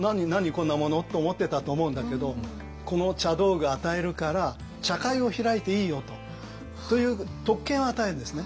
こんな物」と思ってたと思うんだけどこの茶道具与えるから茶会を開いていいよと。という特権を与えるんですね。